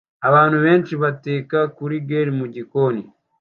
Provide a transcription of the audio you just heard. Abantu benshi bateka kuri grill mugikoni